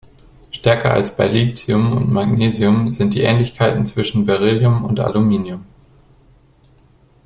Stärker als bei Lithium und Magnesium sind die Ähnlichkeiten zwischen Beryllium und Aluminium.